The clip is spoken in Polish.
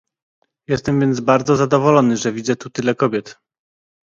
Jestem więc bardzo zadowolony, że widzę tu tyle kobiet